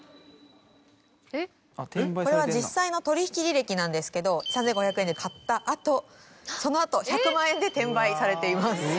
これは実際の取引履歴なんですけど３５００円で買った後その後１００万円で転売されています。